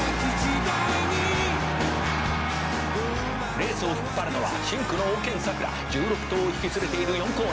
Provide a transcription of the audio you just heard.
「レースを引っ張るのは深紅のオウケンサクラ」「１６頭を引き連れている４コーナー」